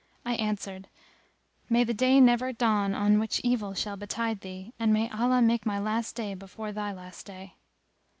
I answered, "May the day never dawn on which evil shall betide thee; and may Allah make my last day before thy last day!"